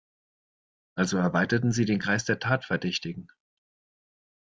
Also erweiterten sie den Kreis der Tatverdächtigen.